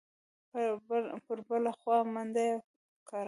پر بله خوا منډه یې کړه.